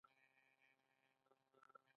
د توکو لیږد اسانه شو.